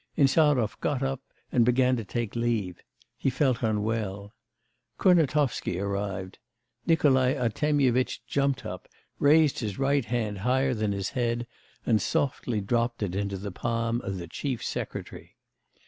Insarov got up and began to take leave; he felt unwell. Kurnatovsky arrived. Nikolai Artemyevitch jumped up, raised his right hand higher than his head, and softly dropped it into the palm of the chief secretary.